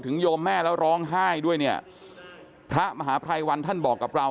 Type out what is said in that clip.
โยมแม่แล้วร้องไห้ด้วยเนี่ยพระมหาภัยวันท่านบอกกับเรา